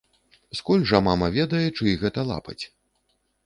Скуль жа мама ведае, чый гэта лапаць.